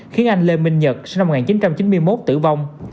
khiến anh lê minh nhật sinh năm một nghìn chín trăm chín mươi một tử vong